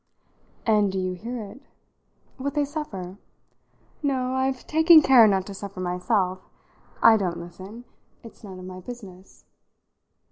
"And do you hear it?" "What they suffer? No, I've taken care not to suffer myself. I don't listen. It's none of my business."